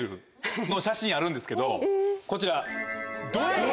写真あるんですけどこちら。